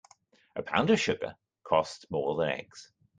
A pound of sugar costs more than eggs.